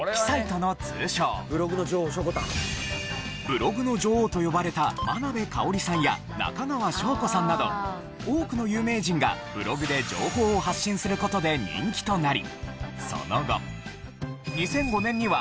ブログの女王と呼ばれた眞鍋かをりさんや中川翔子さんなど多くの有名人がブログで情報を発信する事で人気となりその後２００５年には。